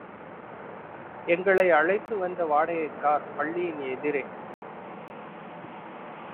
எங்களை அழைத்து வந்த வாடகைக் கார், பள்ளியின் எதிரே.